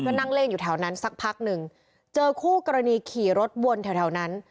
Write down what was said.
ก็นั่งเล่นอยู่แถวนั้นสักพักหนึ่งเจอคู่กรณีขี่รถวนแถวนั้น